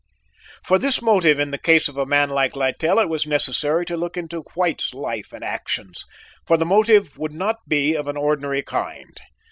"For this motive in the case of a man like Littell, it was necessary to look into White's life and actions, for the motive would not be of an ordinary kind.